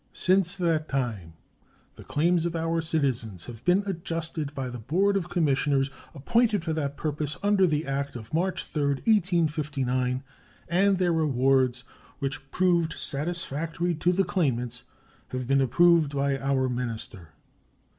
Since that time the claims of our citizens have been adjusted by the board of commissioners appointed for that purpose under the act of March 3, 1859, and their awards, which proved satisfactory to the claimants, have been approved by our minister.